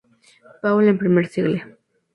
Paul en primero siglo.